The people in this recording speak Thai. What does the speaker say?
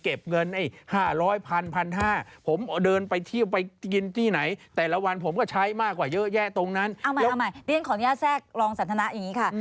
เอาใหม่เดี๋ยวฉันขออนุญาตแทรกรองสันทนาอย่างนี้ค่ะ